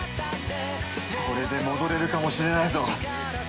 ◆これで戻れるかもしれないぞ。